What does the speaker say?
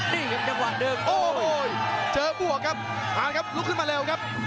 นี่ครับจังหวะเดินโอ้โหเจอบวกครับผ่านครับลุกขึ้นมาเร็วครับ